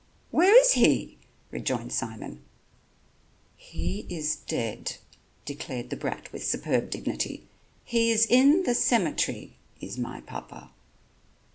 "Where is he?" rejoined Simon. "He is dead," declared the brat with superb dignity, "he is in the cemetery, is my papa."